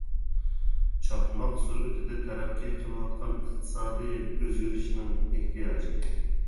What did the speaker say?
چاقماق سۈرئىتىدە تەرەققىي قىلىۋاتقان ئىقتىسادى ئۆزگىرىشنىڭ ئېھتىياجى.